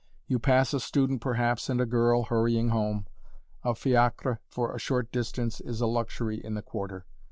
You pass a student perhaps and a girl, hurrying home a fiacre for a short distance is a luxury in the Quarter.